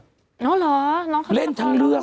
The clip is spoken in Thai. น้องเหรอน้องเขาเล่นละครด้วยใช่ใช่เล่นทั้งเรื่อง